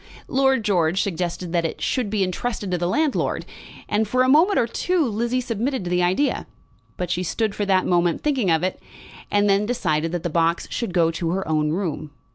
Lord George suggested that it should be entrusted to the landlord; and for a moment or two Lizzie submitted to the idea. But she stood for that moment thinking of it, and then decided that the box should go to her own room.